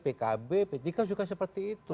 pkb ptk juga seperti itu